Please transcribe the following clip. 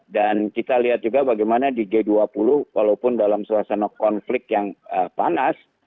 dan kita lihat juga bagaimana di g dua puluh walaupun dalam suasana konflik yang panas